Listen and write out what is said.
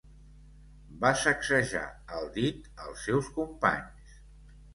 Va sacsejar el dit als seus companys.